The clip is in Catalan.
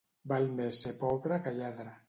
Val més ser pobre que lladre.